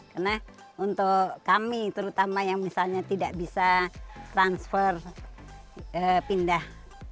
karena untuk kami terutama yang misalnya tidak bisa transfer pindah